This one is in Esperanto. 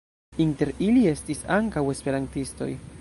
Inter ili estis ankaŭ esperantistoj.